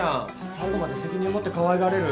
最後まで責任持ってかわいがれる？